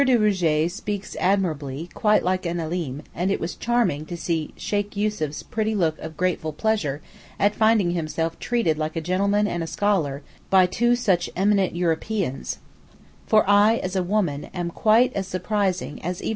de Rougé speaks admirably, quite like an Alim, and it was charming to see Sheykh Yussuf's pretty look of grateful pleasure at finding himself treated like a gentleman and a scholar by two such eminent Europeans; for I (as a woman) am quite as surprising as even M.